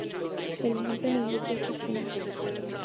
Se alimenta en grupos pequeños.